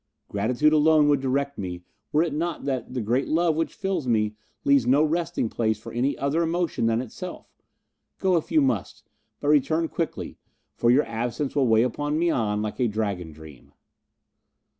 "Gratitude alone would direct me, were it not that the great love which fills me leaves no resting place for any other emotion than itself. Go if you must, but return quickly, for your absence will weigh upon Mian like a dragon dream."